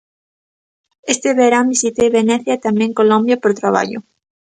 Este verán visitei Venecia e tamén Colombia por traballo.